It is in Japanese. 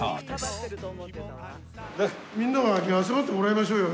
みんな集まってもらいましょうよ。